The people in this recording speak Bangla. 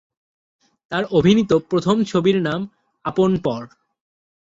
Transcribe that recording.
তার অভিনীত প্রথম ছবির নাম "আপন পর"।